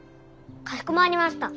かしこまりました。